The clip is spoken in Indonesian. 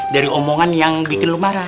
dari omongan yang bikin lu marah